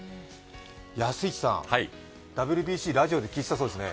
安一さん、ＷＢＣ、ラジオで聴いてたそうですね。